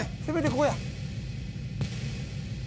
ここや。